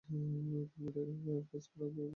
তিনি medium pace off break দুটোই করতে পারতেন।